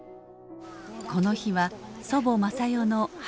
この日は祖母雅代の初盆法要。